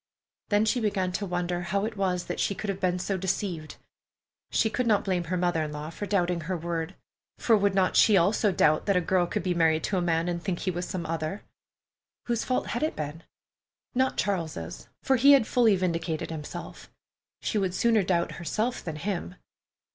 Then she began to wonder how it was that she could have been so deceived. She could not blame her mother in law for doubting her word, for would not she also doubt that a girl could be married to a man and think he was some other? Whose fault had it been? Not Charles's, for he had fully vindicated himself. She would sooner doubt herself than him.